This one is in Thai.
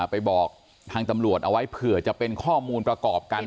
ไปบอกทางตำรวจเอาไว้เผื่อจะเป็นข้อมูลประกอบกัน